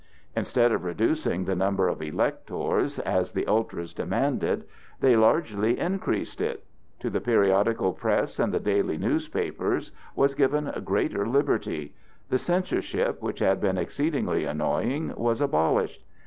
Instead of reducing the number of electors (as the ultras demanded), they largely increased it. To the periodical press and the daily newspapers was given greater liberty; the censorship, which had been exceedingly annoying, was abolished.